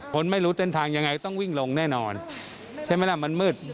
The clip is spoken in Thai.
คนไม่รู้เส้นทางยังไงต้องวิ่งลงแน่นอนใช่ไหมล่ะมันมืด